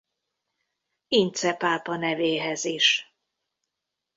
Ince pápa nevéhez is.